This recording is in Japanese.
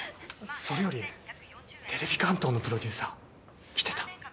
それよりテレビ関東のプロデューサー来てた。